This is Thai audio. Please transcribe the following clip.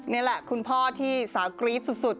นี่แหละคุณพ่อที่สาวกรี๊ดสุด